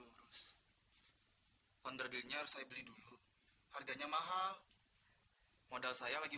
hai kontradiknya saya beli dulu harganya mahal modal saya lagi